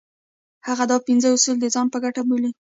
هغه دا پنځه اصول د ځان په ګټه بولي.